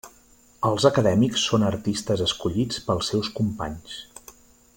Els acadèmics són artistes escollits pels seus companys.